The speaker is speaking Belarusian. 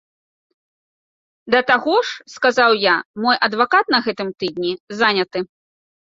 Да таго ж, сказаў я, мой адвакат на гэтым тыдні заняты.